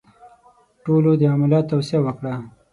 ټولو د عملیات توصیه وکړه.